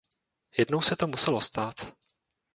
Jednou se to muselo stát.